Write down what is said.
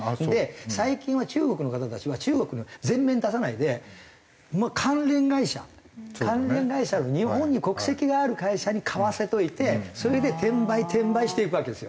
最近は中国の方たちは中国を前面に出さないで関連会社関連会社の日本に国籍がある会社に買わせといてそれで転売転売していくわけですよ。